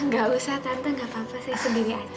gak usah tante gak apa apa saya sendiri aja